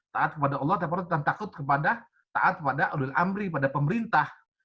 taat kepada allah tapi kita takut kepada taat pada udhu'l amri pada pemerintah